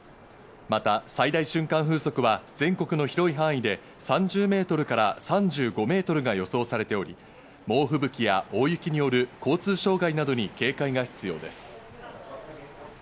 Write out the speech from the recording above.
また最大瞬間風速は全国の広い範囲で３０メートルから３５メートルが予想されており、猛吹雪や大雪による交通障害などに警戒が必要です。